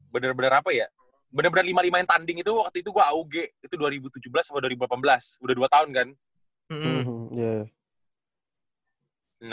bener bener apa ya bener bener lima lima yang tanding itu waktu itu gue aug itu dua ribu tujuh belas sama dua ribu delapan belas udah dua tahun kan